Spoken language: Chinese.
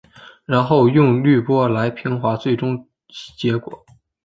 然后用滤波来平滑最终结果。